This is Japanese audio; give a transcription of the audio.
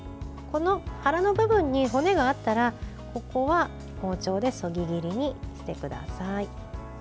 この腹の部分に骨があったらここは包丁でそぎ切りにしてください。